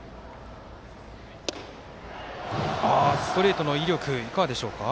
ストレートの威力いかがでしょうか？